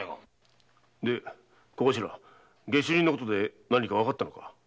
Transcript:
小頭下手人のことで何かわかったのか。